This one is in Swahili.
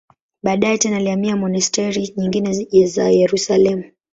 Baadaye tena alihamia monasteri nyingine za Yerusalemu.